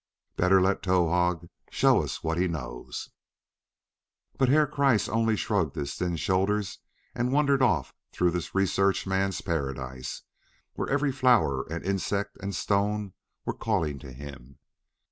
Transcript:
Better let Towahg show us what he knows." But Herr Kreiss only shrugged his thin shoulders and wandered off through this research man's paradise, where every flower and insect and stone were calling to him.